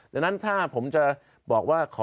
ดังนั้นถ้าผมจะบอกว่า